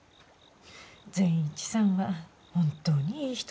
善一さんは本当にいい人さ。